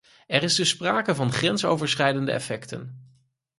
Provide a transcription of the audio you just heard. Er is dus sprake van grensoverschrijdende effecten.